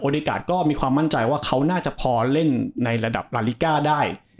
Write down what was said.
กาสก็มีความมั่นใจว่าเขาน่าจะพอเล่นในระดับลาลิก้าได้